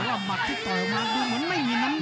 เพราะว่าหมัดที่ต่อมาดูเหมือนไม่มีน้ำหนักนะ